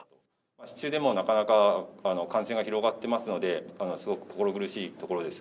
市中でもなかなか感染が広がってますので、すごく心苦しいところです。